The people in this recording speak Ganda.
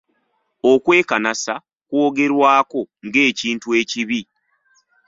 Okwekanasa kwogerwako ng'ekintu ekibi.